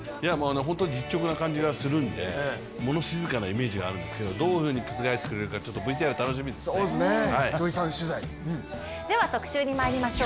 ホントに実直な感じがするんで物静かなイメージがあるんですけどどういうふうに覆してくれるか特集にまいりましょう。